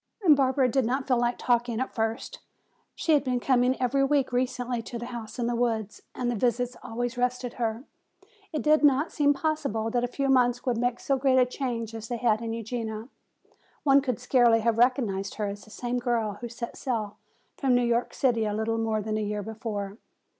Barbara did not feel like talking at first. She had been coming every week recently to the house in the woods and the visits always rested her. It did not seem possible that a few months could make so great a change as they had in Eugenia. One could scarcely have recognized her as the same girl who set sail from New York City a little more than a year before.